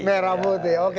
merah putih oke